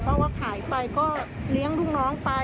เพราะว่าขายไปก็เลี้ยงลูกน้องไป